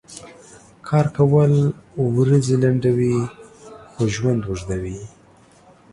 کار کؤل ؤرځې لنډؤي خو ژؤند اوږدؤي .